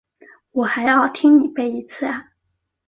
我还要听你背一次啊？